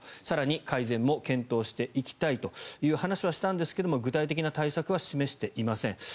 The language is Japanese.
更に改善も検討していきたいという話はしたんですが具体的な対策は示していません。